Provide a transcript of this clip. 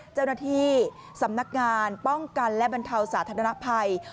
เจ้าหน้าที่สำนักงานป้องกันและบรรเทาสาธารณภัย